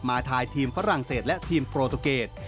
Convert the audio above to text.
ทายทีมฝรั่งเศสและทีมโปรตูเกต